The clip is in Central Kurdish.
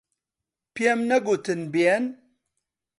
پێم نەگوتن بێن.